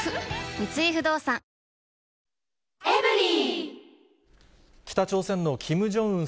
三井不動産北朝鮮のキム・ジョンウン